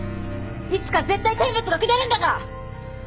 いつか絶対天罰が下るんだから！